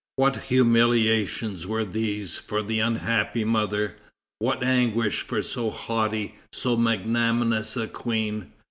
What humiliations were these for the unhappy mother! What anguish for so haughty, so magnanimous a queen!